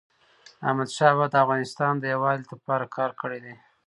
احمدشاه بابا د افغانستان یووالي ته کار کړی دی.